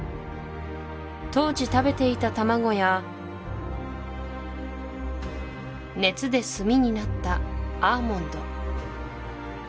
当時食べていた卵や熱で炭になったアーモンド